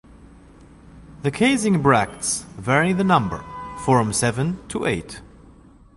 The casing bracts vary the number, form seven to eight.